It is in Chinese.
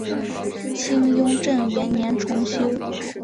清雍正元年重修。